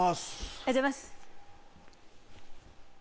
おはようございます。